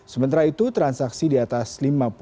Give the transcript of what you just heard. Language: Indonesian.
sementara itu transaksi di atas rp lima